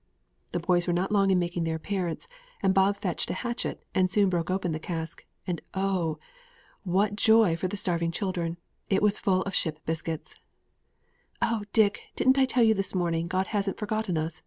'" (See page 96.)] The boys were not long in making their appearance, and Bob fetched a hatchet, and soon broke open the cask; and oh! what joy for the starving children it was full of ship biscuits! "Oh, Dick, didn't I tell you this morning God hadn't forgotten us?"